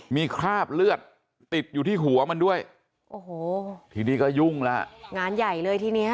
มีคราบเลือดติดอยู่ที่หัวมันด้วยทีนี้ก็ยุ่งแล้ว